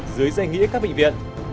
dưới dây nghĩa các bệnh viện